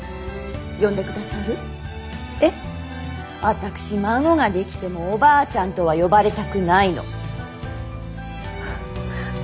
私孫ができても「おばあちゃん」とは呼ばれたくないの。